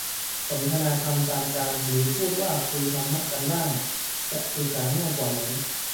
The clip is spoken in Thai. สนทนาธรรมตามกาล หรือพูดว่าคุยธรรมะกันบ้าง จะสื่อสารง่ายกว่าไหม